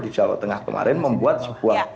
di jawa tengah kemarin membuat sebuah